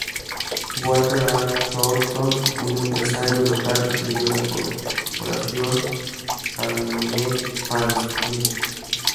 Walter H. Thornton, un empresario local que creó la corporación Calumet Fans, Inc.